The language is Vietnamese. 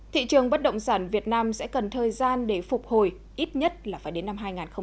thị trường bất động sản việt nam sẽ cần thời gian để phục hồi ít nhất là phải đến năm hai nghìn hai mươi